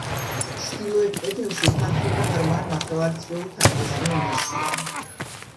ჩრდილოეთ კედელში ფართო და ღრმა ნახევარწრიულთაღიანი ნიშია.